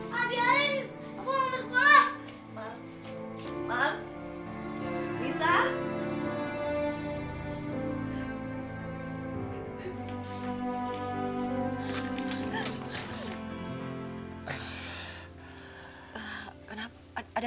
pak biarin aku mau masuk sekolah